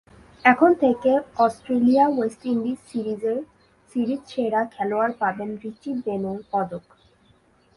এখন থেকে Australia-West Indies সিরিজের সিরিজ সেরা খেলোয়াড় পাবেন রিচি বেনো পদক।